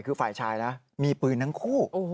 คือฝ่ายชายนะมีปืนทั้งคู่